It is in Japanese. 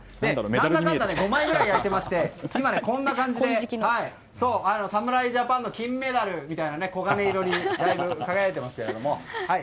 何だかんだで５枚くらい焼きまして今、こんな感じで侍ジャパンの金メダルみたいな黄金色にだいぶ輝いていますけど。